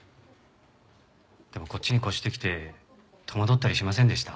でもこっちに越してきて戸惑ったりしませんでした？